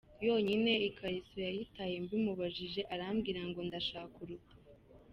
yonyine ikariso yayitaye mbimubajije arambwira ngo ndashaka urupfu.